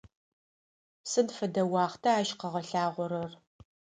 Сыд фэдэ уахъта ащ къыгъэлъагъорэр?